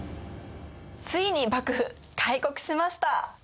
ついに幕府開国しました！